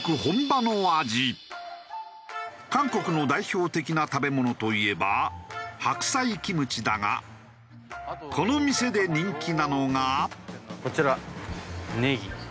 韓国の代表的な食べ物といえば白菜キムチだがこの店で人気なのが。